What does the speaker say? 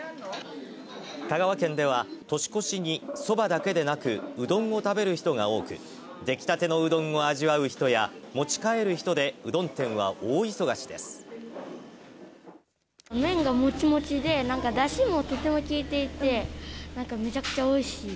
香川県では年越しにそばだけでなく、うどんを食べる人が多く、出来たてのうどんを味わう人や、持ち帰る人で、うどん店は大忙し麺がもちもちで、なんかだしもとても効いていて、なんかめちゃくちゃおいしい。